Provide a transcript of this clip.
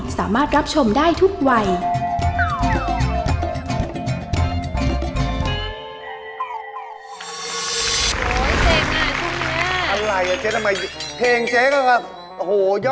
สามารถรับชมได้ทุกวัย